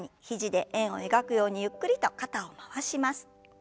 肘で円を描くようにゆっくりと肩を回します。